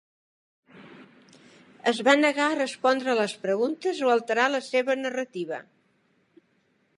Es va negar a respondre a les preguntes o alterar la seva narrativa.